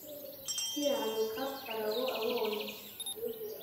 Kiranuka farawo abonye